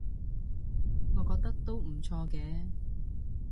我覺得都唔錯嘅